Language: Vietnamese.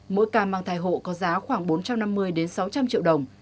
mỗi ca mang thai hộ có giá khoảng bốn trăm năm mươi sáu trăm linh triệu đồng